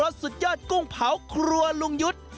สุดยอดกุ้งเผาครัวลุงยุทธ์